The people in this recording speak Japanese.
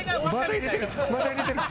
まだ入れてる！